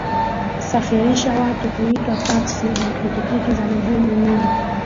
safirisha watu huitwa taxi na pikipiki za miguu miwili